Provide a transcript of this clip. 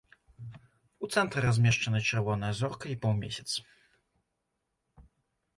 У цэнтры размешчаны чырвоная зорка і паўмесяц.